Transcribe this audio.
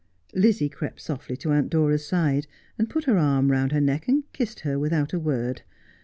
Lizzie crept softly to Aunt Dora's side and put her arm round her neck and kissed her, without a word.